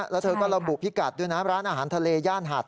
แล้วเธอก็ระบุพิกัดด้วยนะร้านอาหารทะเลย่านหาด